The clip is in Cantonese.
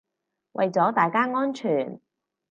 為咗大家安全